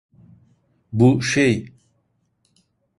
Bu, şey…